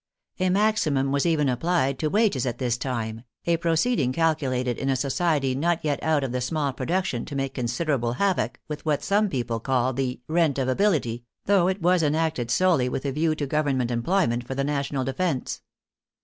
A maximum was even applied to wages at this time, a proceeding calculated in a society not yet out of the small production to make considerable havoc with what some people call the " rent of ability," though it was enacted solely with a view to government employment for the national defence.